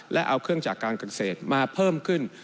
และเอาเครื่องจากการเกษตรมาเพิ่มขึ้น